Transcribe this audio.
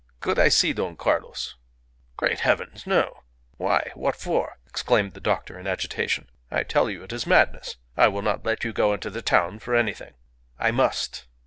"Could I see Don Carlos?" "Great heavens! No! Why? What for?" exclaimed the doctor in agitation. "I tell you it is madness. I will not let you go into the town for anything." "I must."